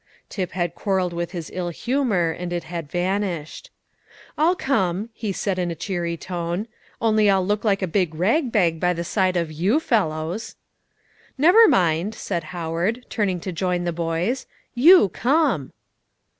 Tip had quarrelled with his ill humour, and it had vanished. "I'll come," he said, in a cheery tone; "only I'll look like a big rag bag by the side of you fellows." "Never mind," said Howard, turning to join the boys, "you come."